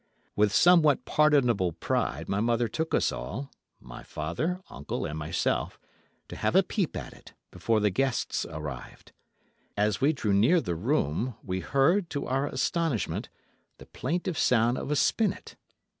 With somewhat pardonable pride my mother took us all—my father, uncle and myself—to have a peep at it, before the guests arrived. As we drew near the room, we heard, to our astonishment, the plaintive sound of a spinet.